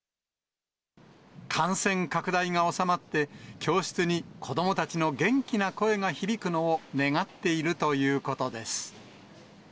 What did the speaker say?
感染拡大が収まって、教室に子どもたちの元気な声が響くのを願っているということです。